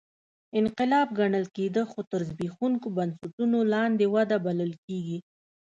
انقلاب ګڼل کېده خو تر زبېښونکو بنسټونو لاندې وده بلل کېږي